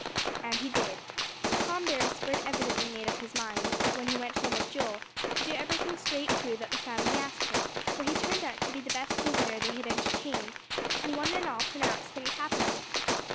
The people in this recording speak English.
And he did. Tom Beresford evidently made up his mind, when he went home with Joel, to do everything straight through that the family asked him, for he turned out to be the best visitor they had entertained, and one and all pronounced him capital.